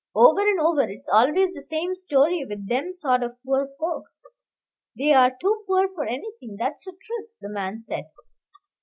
"Over and over; it's always the same story with them sort of poor folks, they're too poor for anything, that's the truth," the man said.